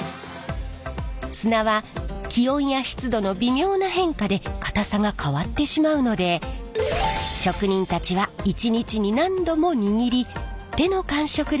砂は気温や湿度の微妙な変化でかたさが変わってしまうので職人たちは１日に何度も握り手の感触で水分量を確かめるんです。